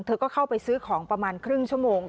เธอก็เข้าไปซื้อของประมาณครึ่งชั่วโมง